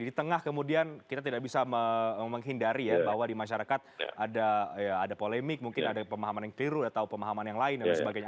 jadi di tengah kemudian kita tidak bisa menghindari ya bahwa di masyarakat ada polemik mungkin ada pemahaman yang keliru atau pemahaman yang lain dan sebagainya